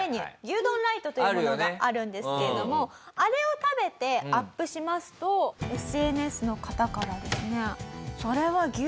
牛丼ライトというものがあるんですけれどもあれを食べてアップしますとＳＮＳの方からですね。